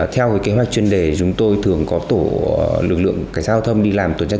theo kế hoạch chuyên đề chúng tôi thường có tổ lực lượng cảnh sát giao thông đi làm tuần tra